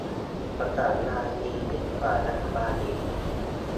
ประสานงานดียิ่งกว่ารัฐบาลอีก